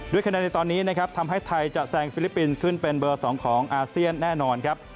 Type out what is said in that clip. คะแนนในตอนนี้นะครับทำให้ไทยจะแซงฟิลิปปินส์ขึ้นเป็นเบอร์๒ของอาเซียนแน่นอนครับ